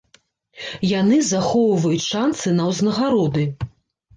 Яны захоўваюць шанцы на ўзнагароды.